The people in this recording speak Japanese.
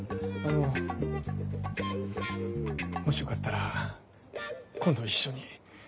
あのもしよかったら今度一緒に。